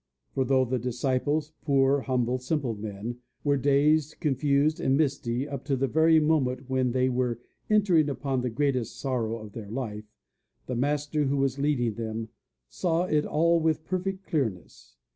For, though the disciples poor, humble, simple men were dazed, confused, and misty up to the very moment when they were entering upon the greatest sorrow of their life, the Master who was leading them saw it all with perfect clearness.